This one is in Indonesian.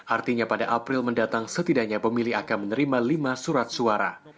artinya pada april mendatang setidaknya pemilih akan menerima lima surat suara